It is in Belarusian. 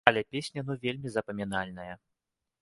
Але песня ну вельмі запамінальная!